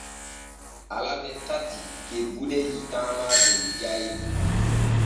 Alabe tati kebude yiitaama der jayri.